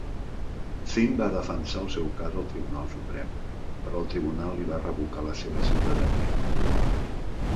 Thind va defensar el seu cas al Tribunal Suprem, però el tribunal li va revocar la seva ciutadania.